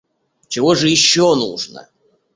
Чего же еще нужно?